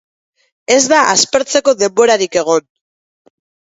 Ez da aspertzeko denborarik egon.